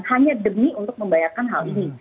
hanya demi untuk membayarkan hal ini